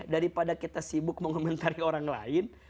kita pada kita sibuk mengomentari orang lain